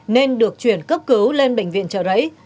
nên được chuyển cấp cứu lên bệnh viện trợ rẫy